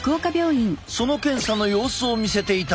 その検査の様子を見せていただく。